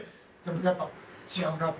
やっぱ違うなと？